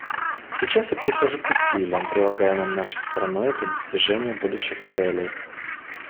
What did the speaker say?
Сейчас я перехожу к усилиям, прилагаемым нашей страной для достижения будущих целей.